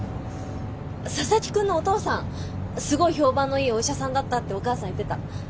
佐々木くんのお父さんすごい評判のいいお医者さんだったってお母さん言ってた。